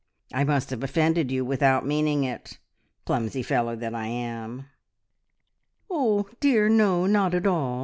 "I must have offended you without meaning it; clumsy fellow that I am!" "Oh dear no, not at all.